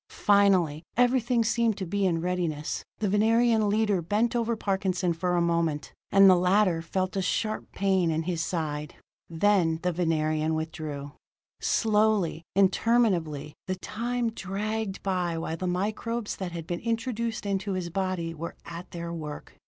Finally, everything seemed to be in readiness. The Venerian leader bent over Parkinson for a moment: and the latter felt a sharp pain in his side. Then the Venerian withdrew. Slowly, interminably, the time dragged by while the microbes that had been introduced into his body were at their work.